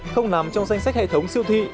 không nằm trong danh sách hệ thống siêu thị